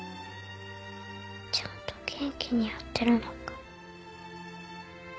ちゃんと元気にやってるのか。